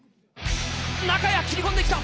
切り込んできた！